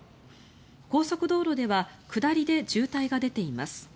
高速道路では下りで渋滞が出ています。